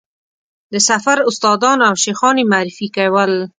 د سفر استادان او شیخان یې معرفي کول.